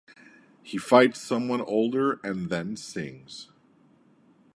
He fights someone older and then sings.